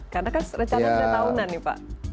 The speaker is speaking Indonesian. karena kan recana sudah tahunan nih pak